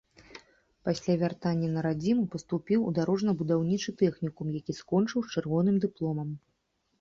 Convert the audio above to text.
Пасля вяртання на радзіму, паступіў у дарожна-будаўнічы тэхнікум, які скончыў з чырвоным дыпломам.